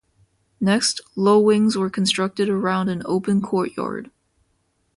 Next low wings were constructed around an open courtyard.